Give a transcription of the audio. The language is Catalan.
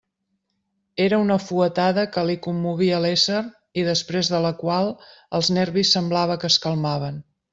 Era una fuetada que li commovia l'ésser i després de la qual els nervis semblava que es calmaven.